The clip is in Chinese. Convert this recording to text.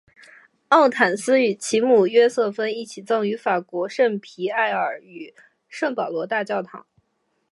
奥坦丝与其母约瑟芬一起葬于法国圣皮埃尔与圣保罗大教堂。